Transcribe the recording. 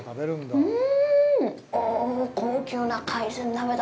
うん！